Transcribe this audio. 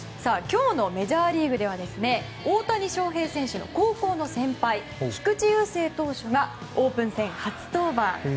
今日のメジャーリーグでは大谷翔平選手の高校の先輩、菊池雄星投手がオープン戦初登板。